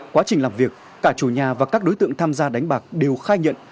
quá trình làm việc cả chủ nhà và các đối tượng tham gia đánh bạc đều khai nhận